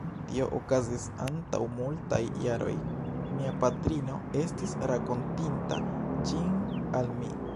Tio okazis antaŭ multaj jaroj; mia patrino estis rakontinta ĝin al mi.